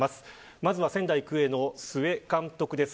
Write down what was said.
まずは仙台育英の須江監督です。